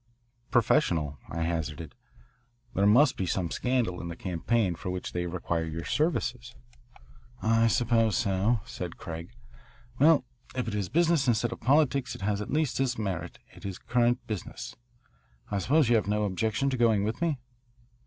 "Professional," I hazarded. "There must be some scandal in the campaign for which they require your services." "I suppose so," agreed Craig. "Well, if it is business instead of politics it has at least this merit it is current business. I suppose you have no objection to going with me?"